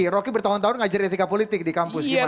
rocky bertahun tahun ngajar etika politik di kampus gimana